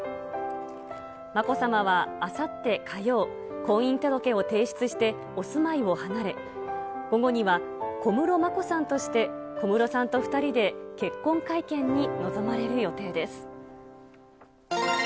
まこさまはあさって火曜、婚姻届を提出してお住まいを離れ、午後には小室まこさんとして、小室さんと２人で結婚会見に臨まれる予定です。